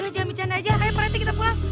udah jangan bicara aja ayo perhenti kita pulang